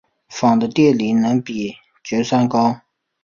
钫的电离能比铯稍高。